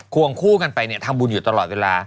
วงคู่กันไปทำบุญอยู่ตลอดเวลา